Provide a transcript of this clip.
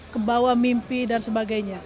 kebawa mimpi dan sebagainya